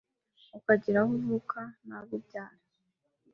ukagira aho uvuka n’abo ubyara,